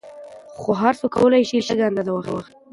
خو هر څوک کولای شي لږ اندازه واخلي.